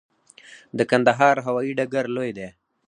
د کندهار هوايي ډګر لوی دی